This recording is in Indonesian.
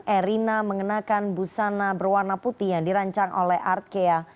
erina mengenakan busana berwarna putih yang dirancang oleh artkea